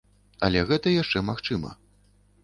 Але гэта яшчэ магчыма.